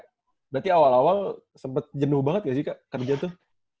berarti awal awal sempat jenuh banget gak sih kak kerja tuh